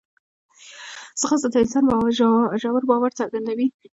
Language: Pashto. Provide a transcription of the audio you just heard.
ځغاسته د انسان ژور باور څرګندوي